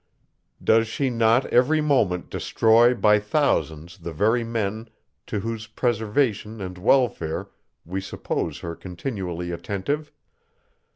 Does she not every moment destroy, by thousands, the very men, to whose preservation and welfare we suppose her continually attentive?